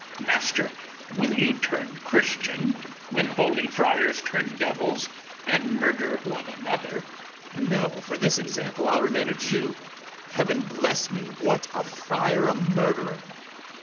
master, will you turn Christian, when holy friars turn devils and murder one another? BARABAS. No; for this example I'll remain a Jew: Heaven bless me! what, a friar a murderer!